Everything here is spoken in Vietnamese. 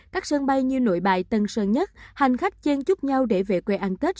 các sân bay như nội bài tân sơn nhất hành khách chen chúc nhau để về quê ăn tết